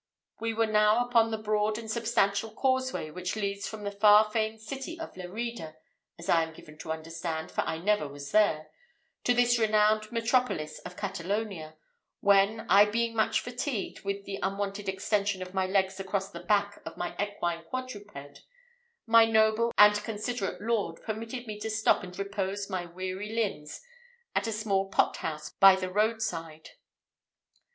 We were now upon the broad and substantial causeway which leads from the far famed city of Lerida as I am given to understand, for I never was there to this renowned metropolis of Catalonia, when, I being much fatigued with the unwonted extension of my legs across the back of my equine quadruped, my noble and considerate lord permitted me to stop and repose my weary limbs at a small pot house by the road side.